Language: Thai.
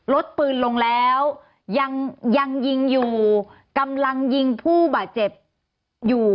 รถปืนลงแล้วยังยังยิงอยู่กำลังยิงผู้บาดเจ็บอยู่